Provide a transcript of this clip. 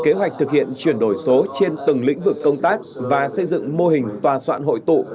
kế hoạch thực hiện chuyển đổi số trên từng lĩnh vực công tác và xây dựng mô hình tòa soạn hội tụ